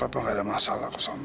papa gak ada masalah aku sama mama